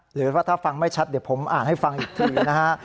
หรือว่าถ้าฟังไม่ชัดเดี๋ยวผมอ่านให้ฟังอีกทีนะฮะ